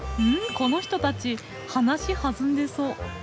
この人たち話弾んでそう。